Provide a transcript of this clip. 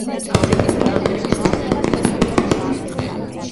ეგვიპტიდან მაშველი ძალების დაგვიანების გამო ხალხში მასობრივი პანიკა დაიწყო.